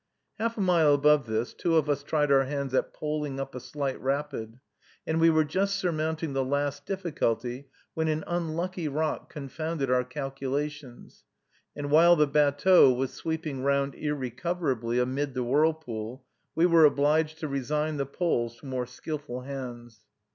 Half a mile above this two of us tried our hands at poling up a slight rapid; and we were just surmounting the last difficulty, when an unlucky rock confounded our calculations; and while the batteau was sweeping round irrecoverably amid the whirlpool, we were obliged to resign the poles to more skillful hands.